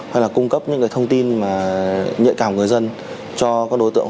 hay là cung cấp những thông tin mà nhạy cảm người dân cho các đối tượng